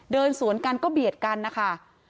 เดินสวนกันก็เบียดกันนะคะ